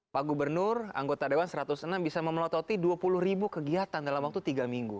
pak gubernur anggota dewan satu ratus enam bisa memelototi dua puluh ribu kegiatan dalam waktu tiga minggu